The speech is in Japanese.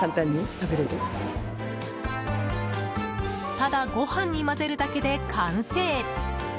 ただ、ご飯に混ぜるだけで完成。